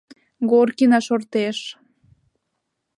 Горкина шортеш.